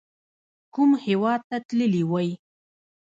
کوم هیواد ته تللي وئ؟